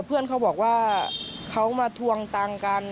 เพื่อนเขาบอกว่าเขามาทวงตังค์กัน